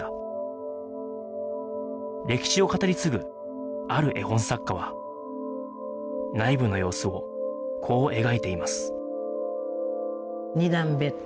歴史を語り継ぐある絵本作家は内部の様子をこう描いています